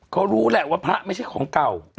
เขารู้แหละว่าพระไม่ใช่ของเก่า